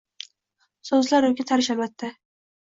So’zlar unga tanish albatta